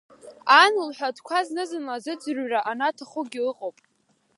Ан лҳәатәгьы зны-зынла азыӡырҩра анаҭахугьы ыҟоуп!